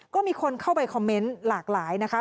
ก็มีคนเข้าไปคอมเมนต์หลากหลายนะคะ